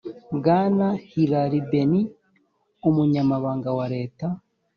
bwana hilary benny umunyamabanga wa leta